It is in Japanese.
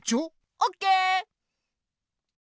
オッケー。